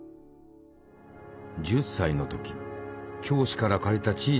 １０歳の時教師から借りた小さな望遠鏡。